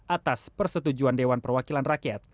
atas persetujuan dewan perwakilan rakyat